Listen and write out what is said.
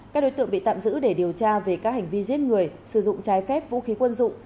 các đối tượng bị tạm giữ để điều tra về các hành vi giết người sử dụng trái phép vũ khí quân dụng